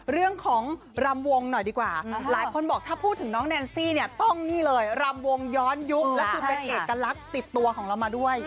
เรื่องของรำวงหน่อยดีกว่าหลายคนบอกถ้าพูดถึงน้องแนนซี่เนี่ยต้องนี่เลยรำวงย้อนยุคแล้วคือเป็นเอกลักษณ์ติดตัวของเรามาด้วย